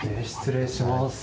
失礼します。